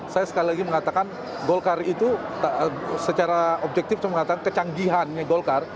saya sekali lagi mengatakan golkar itu secara objektif cuma mengatakan kecanggihan golkar